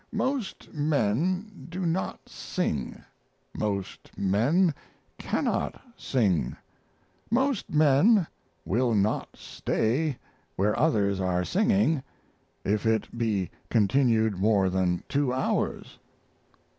Most, men do not sing, most men cannot sing, most men will not stay where others are singing if it be continued more than two hours.